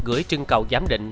gửi chân cầu giám định